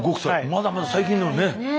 まだまだ最近ですね。